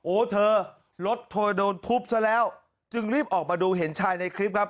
เธอรถเธอโดนทุบซะแล้วจึงรีบออกมาดูเห็นชายในคลิปครับ